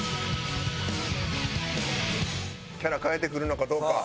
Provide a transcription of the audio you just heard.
キャラ変えてくるのかどうか。